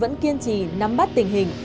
vẫn kiên trì nắm bắt tình hình